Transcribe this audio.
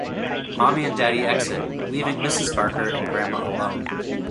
Mommy and Daddy exit, leaving Mrs. Barker and Grandma alone.